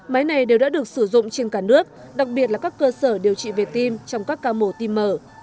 máy này đều đã được sử dụng trên cả nước đặc biệt là các cơ sở điều trị về tim trong các ca mổ tim mở